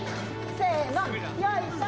せーのよいしょ！